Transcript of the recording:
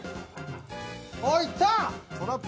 おっいった！